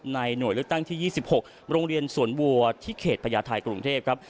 หน่วยเลือกตั้งที่๒๖โรงเรียนสวนวัวที่เขตพญาไทยกรุงเทพครับ